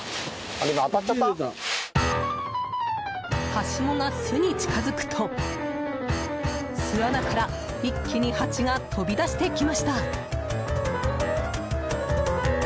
はしごが巣に近づくと巣穴から一気にハチが飛び出してきました。